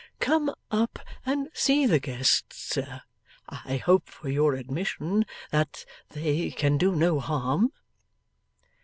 'Come up and see the guests, sir. I hope for your admission that they can do no harm.